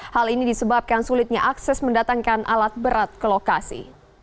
hal ini disebabkan sulitnya akses mendatangkan alat berat ke lokasi